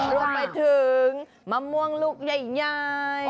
รวมไปถึงมะม่วงลูกใหญ่